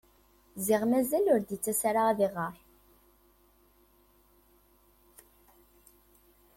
Ziɣen mazal ur d-t-yettas ara ad iɣer.